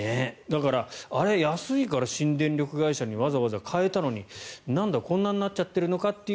だからあれ、安いから新電力会社にわざわざ変えたのにこんなになっちゃってるのかと